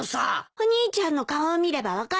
お兄ちゃんの顔を見れば分かるわ。